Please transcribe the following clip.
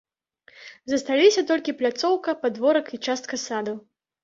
Засталіся толькі пляцоўка, падворак і частка саду.